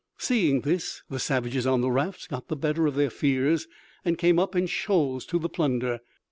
Seeing this, the savages on the rafts got the better of their fears, and came up in shoals to the plunder.